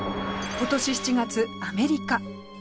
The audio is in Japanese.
今年７月アメリカ